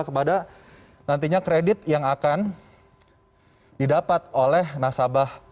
kepada nantinya kredit yang akan didapat oleh nasabah